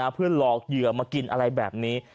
เพื่อหลอกเหยื่อมากินอะไรแบบนี้